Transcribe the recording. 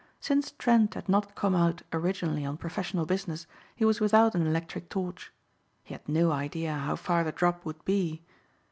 Since Trent had not come out originally on professional business, he was without an electric torch. He had no idea how far the drop would be.